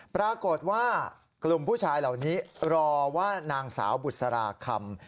ปรากฏว่ากลุ่มผู้ชายเหล่านี้รอว่านางสาวบุษราคำ